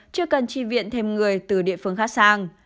chưa cần tri viện thêm người từ địa phương khác sang